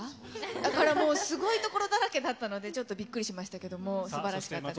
だからもう、すごい所だらけだったのでちょっとびっくりしましたけども、すばらしかったです。